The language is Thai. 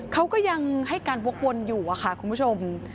เขาก็ยังให้การวกวนอยู่ค่ะคุณผู้ชม